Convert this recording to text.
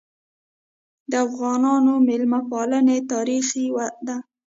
د افغانانو مېلمه پالنه تاریخي ده.